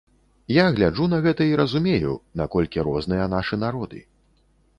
Я гляджу на гэта і разумею, наколькі розныя нашы народы.